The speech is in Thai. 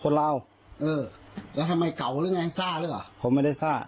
คนเราเออแล้วทำไมเก่าหรือไงซ่าหรือเปล่าผมไม่ได้ซ่า